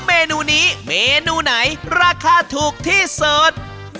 เมนูนี้เมนูไหนราคาถูกที่สุด